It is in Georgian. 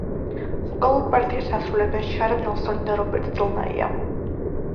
ვოკალურ პარტიას ასრულებენ შარა ნელსონი და რობერტ დელ ნაია.